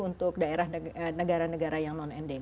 untuk negara negara yang non endemi